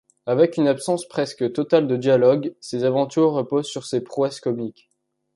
Avec une absence presque totale de dialogue, ses aventures reposent sur ses prouesses comiques.